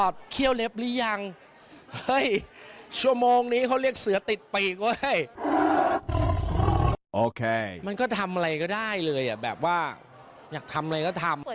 เปิดใจแล้วหรือยัง